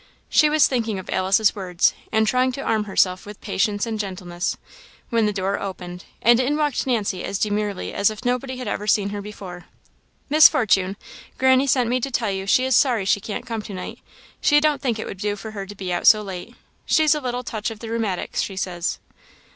She was thinking of Alice's words, and trying to arm herself with patience and gentleness, when the door opened, and in walked Nancy as demurely as if nobody had ever seen her before. "Miss Fortune, granny sent me to tell you she is sorry she can't come to night; she don't think it would do for her to be out so late; she's a little touch of the rheumatics, she says."